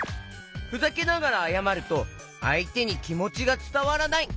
ふざけながらあやまるとあいてにきもちがつたわらない！